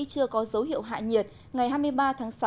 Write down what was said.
chưa có dấu hiệu hạ nhiệt ngày hai mươi ba tháng sáu